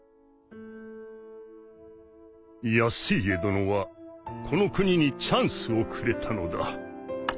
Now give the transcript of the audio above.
康イエ殿はこの国にチャンスをくれたのだ。